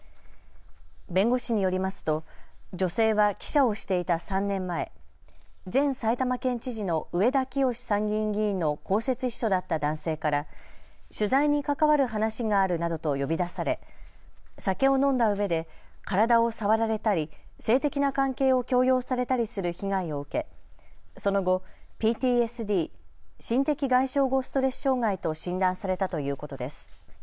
弁護士によりますと女性は記者をしていた３年前、前埼玉県知事の上田清司参議院議員の公設秘書だった男性から取材に関わる話があるなどと呼び出され酒を飲んだうえで体を触られたり性的な関係を強要されたりする被害を受けその後、ＰＴＳＤ・心的外傷後ストレス障害と診断されたということです。